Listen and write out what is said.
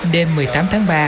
đêm một mươi tám tháng ba